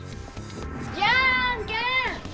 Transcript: じゃあんけんッ！